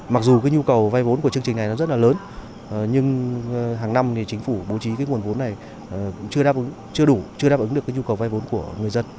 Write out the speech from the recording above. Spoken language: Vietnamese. mặc dù cái nhu cầu vay vốn của chương trình này nó rất là lớn nhưng hàng năm thì chính phủ bố trí cái nguồn vốn này chưa đủ chưa đáp ứng được cái nhu cầu vay vốn của người dân